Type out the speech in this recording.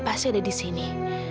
pasti ada di sini